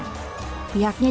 pihaknya juga berkata